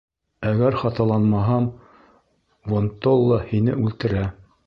Әгәр хаталанмаһам, Вон-толла һине үлтерә.